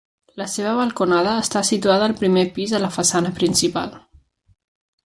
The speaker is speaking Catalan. La seva balconada està situada al primer pis a la façana principal.